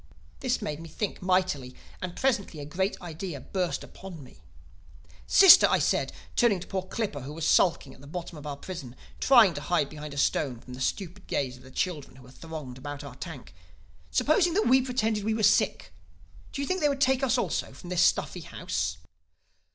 "This made me think mightily; and presently a great idea burst upon me. "'Sister,' I said, turning to poor Clippa who was sulking at the bottom of our prison trying to hide behind a stone from the stupid gaze of the children who thronged about our tank, 'supposing that we pretended we were sick: do you think they would take us also from this stuffy house?